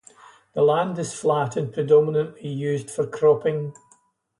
The land is flat and predominantly used for cropping.